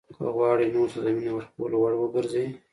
که غواړئ نورو ته د مینې ورکولو وړ وګرځئ.